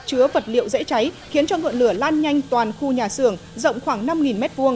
chứa vật liệu dễ cháy khiến cho ngọn lửa lan nhanh toàn khu nhà xưởng rộng khoảng năm m hai